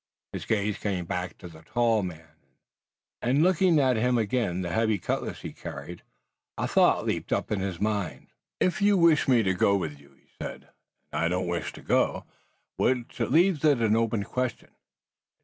His gaze came back to the tall man, and, observing again the heavy cutlass he carried, a thought leaped up in his mind. "You wish me to go with you," he said, "and I don't wish to go, which leaves it an open question.